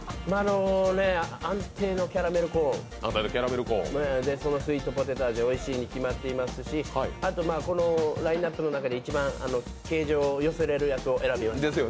安定のキャラメルコーンで、そのスイートポテト味おいしいに決まっていますし、あとこのラインナップの中で一番形状を寄せられるやつを選びました。